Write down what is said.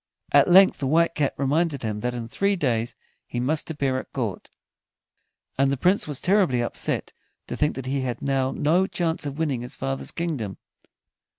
At length the White Cat reminded him that in three days he must appear at court, and the Prince was terribly upset to think that he had now no chance of winning his father's kingdom.